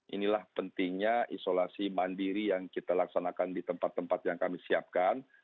inilah pentingnya isolasi mandiri yang kita laksanakan di tempat tempat yang kami siapkan